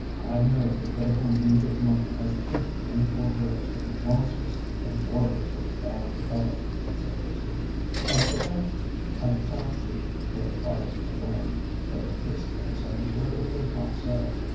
"I know the pitiful need of money has tainted many poor girls with a monstrous and morbid overvalue of it," said Risley, "and for that I cannot see they are to blame; but in this case I am sure it was not so.